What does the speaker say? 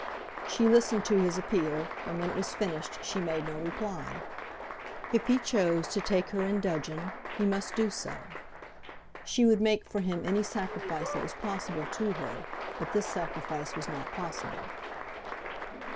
She listened to his appeal, and when it was finished she made no reply. If he chose to take her in dudgeon, he must do so. She would make for him any sacrifice that was possible to her, but this sacrifice was not possible.